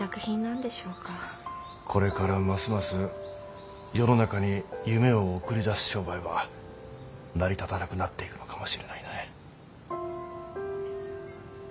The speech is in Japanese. これからますます世の中に夢を送り出す商売は成り立たなくなっていくのかもしれないね。